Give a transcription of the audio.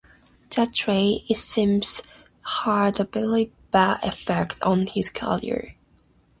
That trade, it seems, had a very bad effect on his career.